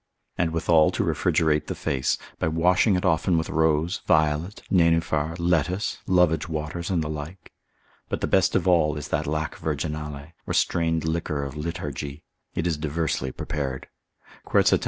And withal to refrigerate the face, by washing it often with rose, violet, nenuphar, lettuce, lovage waters, and the like: but the best of all is that lac virginale, or strained liquor of litargy: it is diversely prepared; by Jobertus thus; ℞ lithar.